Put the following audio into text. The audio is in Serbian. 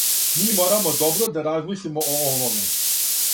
Ми морамо добро да размислимо о овоме.